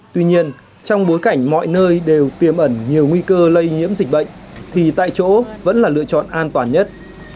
tuy nhiên trong bối cảnh mọi nơi đều tiềm ẩn nhiều nguy cơ lây nhiễm dịch bệnh thì tại chỗ vẫn là lựa chọn an toàn nhất